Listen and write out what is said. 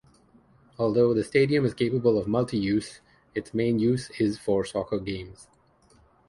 Although the stadium is capable of multi-use, its main use is for soccer games.